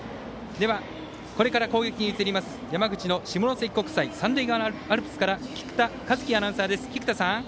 では、これから攻撃に移ります山口の下関国際三塁側アルプスから菊田一樹アナウンサーです。